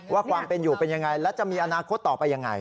ความเป็นอยู่เป็นยังไงและจะมีอนาคตต่อไปยังไง